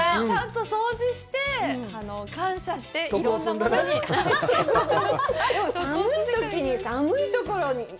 ちゃんと掃除して、感謝して、いろんなものに。